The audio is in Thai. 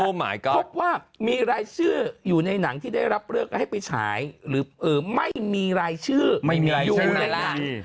พบว่ามีรายชื่ออยู่ในหนังที่ได้รับเลือกให้ไปฉายหรือไม่มีรายชื่อไม่มีอะไรอยู่ในหนัง